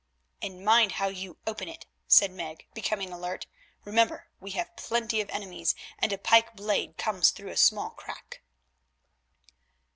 "And mind how you open it," said Meg, becoming alert. "Remember we have plenty of enemies, and a pike blade comes through a small crack."